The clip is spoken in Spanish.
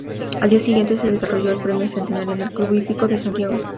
Al día siguiente se desarrolló el "Premio Centenario" en el Club Hípico de Santiago.